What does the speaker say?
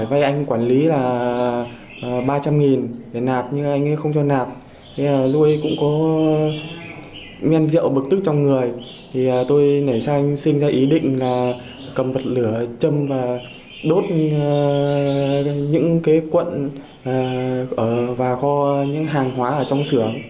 và có những hàng hóa ở trong sưởng